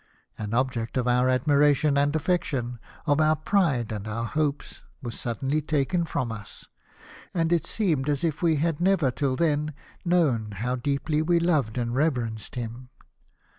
An object of our admira tion and affection, of our pride and of our hopes, was suddenly taken from us ; and it seemed as if we had never till then known how deeply we loved and reverenced him.